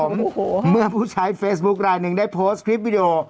โอ้โหเมื่อผู้ใช้เฟซบุ๊คลายหนึ่งได้โพสต์คลิปวิดีโอ